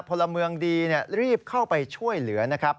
พลเมืองดีรีบเข้าไปช่วยเหลือนะครับ